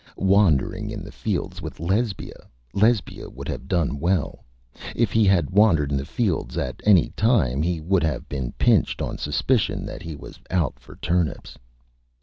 Wandering in the Fields with Lesbia! Lesbia would have done Well. If he had Wandered in the Fields at any Time he would have been Pinched on Suspicion that he was out for Turnips.